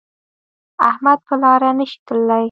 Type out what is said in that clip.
احمد په لاره نشي تللی.